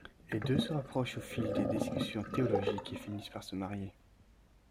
Les deux se rapprochent au fil des discussions théologiques et finissent par se marier.